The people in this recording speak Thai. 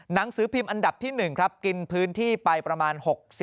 หนังสือพิมพ์อันดับที่๑ครับกินพื้นที่ไปประมาณ๖๐